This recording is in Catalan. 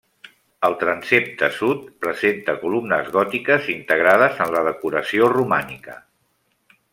El transsepte sud presenta columnes gòtiques integrades en la decoració romànica.